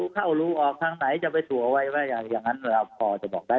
เข้ารูออกทางไหนจะไปถั่วไว้ว่าอย่างนั้นเราพอจะบอกได้